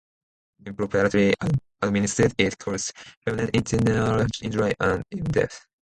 Improperly administered, it caused permanent internal injury and even death.